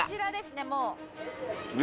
もう。